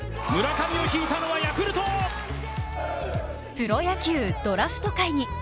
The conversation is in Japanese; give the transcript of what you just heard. プロ野球ドラフト会議。